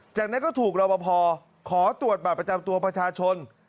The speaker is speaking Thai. จากนั้นก็ถูกรอบพอขอตรวจบัตรประจำตัวประชาชน